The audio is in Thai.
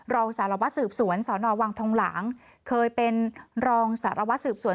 รองสารวัตรสืบสวนสอนอวังทองหลางเคยเป็นรองสารวัตรสืบสวน